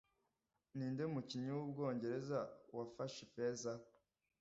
Ninde mukinnyi wu Bwongereza wafashe Ifeza